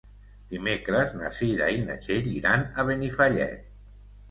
Dimecres na Cira i na Txell iran a Benifallet.